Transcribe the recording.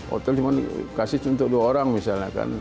hotel cuma dikasih untuk dua orang misalnya kan